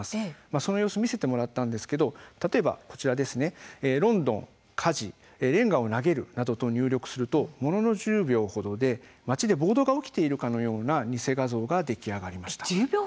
その様子を見せてもらったんですけれども例えばこちら、ロンドン火事、れんがを投げるなどと入力するとものの１０秒程で街で暴動が起きているかのような偽画像が出来上がりました。